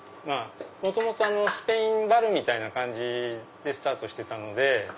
元々スペインバルみたいな感じでスタートしてたので。